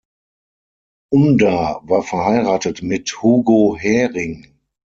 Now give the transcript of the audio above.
Unda war verheiratet mit Hugo Häring.